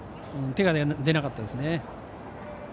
手が出なかったですね。